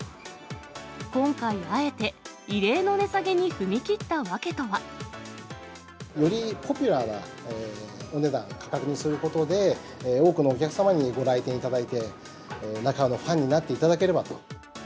今回、あえて異例の値下げに踏み切った訳とは。よりポピュラーなお値段、価格にすることで、多くのお客様にご来店いただいて、なか卯のファンになっていただければと。